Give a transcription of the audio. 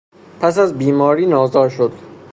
پس از بیماری نازا شد.